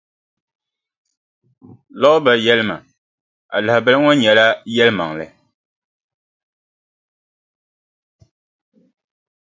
Louba yɛlimi ma, a lahabali ŋɔ nyɛla yɛlimaŋli?